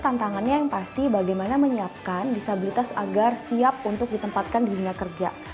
tantangannya yang pasti bagaimana menyiapkan disabilitas agar siap untuk ditempatkan di dunia kerja